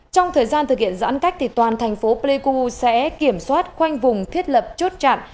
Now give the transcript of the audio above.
trong thời gian thực hiện giãn cách toàn thành phố pleiku sẽ kiểm soát khoanh vùng thiết lập chốt chặn